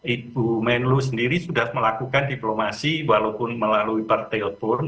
ibu menlo sendiri sudah melakukan diplomasi walaupun melalui partail porn